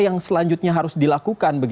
yang selanjutnya harus dilakukan